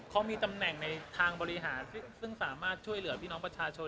เขามีตำแหน่งในทางบริหารซึ่งสามารถช่วยเหลือพี่น้องประชาชน